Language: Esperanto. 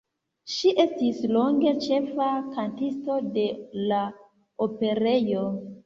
Ŝi estis longe ĉefa kantisto de la Operejo.